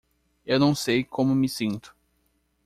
Eu não sei como me sinto